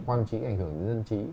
quan chí ảnh hưởng đến dân chí